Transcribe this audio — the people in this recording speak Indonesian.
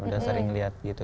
udah sering ngeliat gitu